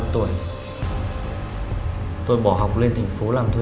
một mươi năm tuổi tôi bỏ học lên thành phố làm thuê